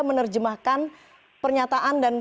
menerjemahkan pernyataan dan